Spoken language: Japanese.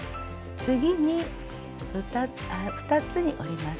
次に２つに折ります。